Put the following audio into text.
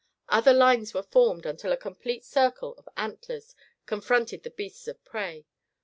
Other lines were formed until a complete circle of antlers confronted the beasts of prey.